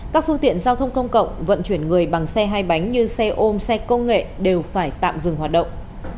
các phương tiện giao thông công cộng vận chuyển người bằng xe hai bánh như xe ôm xe công nghệ đều phải tạm dừng hoạt động